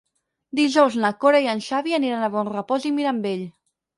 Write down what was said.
Dijous na Cora i en Xavi aniran a Bonrepòs i Mirambell.